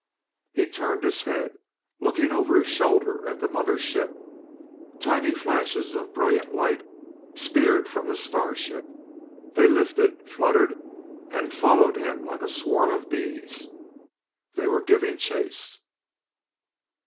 He turned his head, looking over his shoulder at the mother ship. Tiny flashes of brilliant light speared from the starship. They lifted, fluttered and followed him like a swarm of bees. They were giving chase!